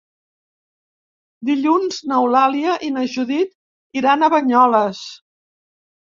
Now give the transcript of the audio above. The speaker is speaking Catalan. Dilluns n'Eulàlia i na Judit iran a Banyoles.